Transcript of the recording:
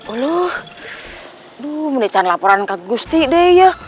uluh duh menecan laporan kagusti dey ya